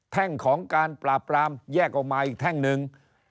แท่งของการปราบปรามแยกออกมาอีกแท่งหนึ่ง